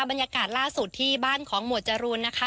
บรรยากาศล่าสุดที่บ้านของหมวดจรูนนะคะ